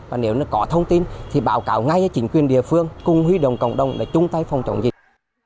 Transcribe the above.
và nếu có thông tin thì báo cáo ngay cho chính quyền địa phương cùng huy động cộng đồng để chung tay phòng chống dịch